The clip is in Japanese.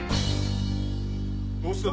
どうした？